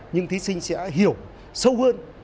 những thí sinh sẽ hiểu sâu hơn